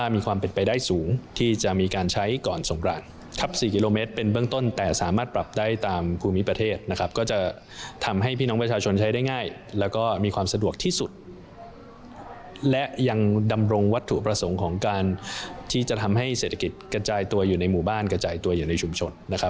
มีการที่จะทำให้เศรษฐกิจกระจายตัวอยู่ในหมู่บ้านกระจายตัวอยู่ในชุมชน